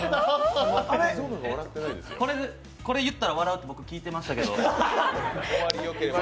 これ言ったら笑うって聞いてましたけど。